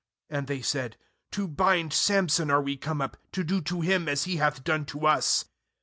And they said: 'To bind Samson are we come up, to do to him as he hath done to us.'